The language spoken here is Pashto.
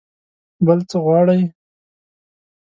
بل څه غواړئ؟